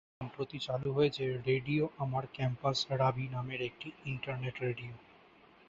সম্প্রতি চালু হয়েছে ‘রেডিও আমার ক্যাম্পাস, রাবি’ নামের একটি ইন্টারনেট রেডিও।